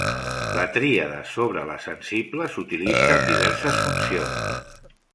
La tríada sobre la sensible s'utilitza en diverses funcions.